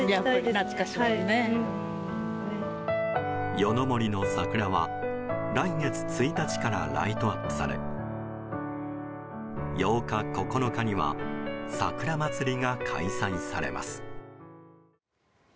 夜の森の桜は来月１日からライトアップされ８日、９日には桜まつりが開催されます。